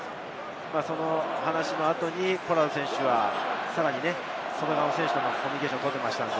話の後にポラード選手がさらに後ろの選手とコミュニケーションをとっていました。